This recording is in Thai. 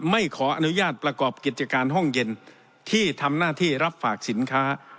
ไม่ขออนุญาตประกอบกิจการห้องเย็นที่ทำหน้าที่รับฝากสินค้า